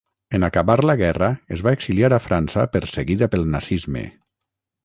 En acabar la guerra es va exiliar a França perseguida pel nazisme.